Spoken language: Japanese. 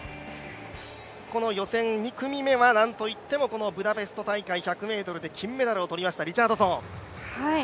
この予選２組目は、ブダペスト大会１００ｍで金メダルを取りましたリチャードソン。